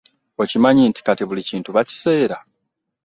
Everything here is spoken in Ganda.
Okimanyi nti kati buli kintu bakiseera.